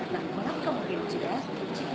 nah mengapa mungkin